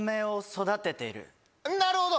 なるほど！